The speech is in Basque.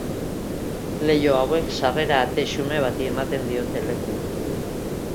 Leiho hauek sarrera-ate xume bati ematen diote leku.